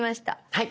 はい。